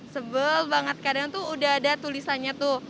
sebel banget kadang tuh udah ada tulisannya tuh